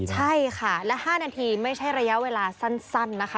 ใช่ค่ะและ๕นาทีไม่ใช่ระยะเวลาสั้นนะคะ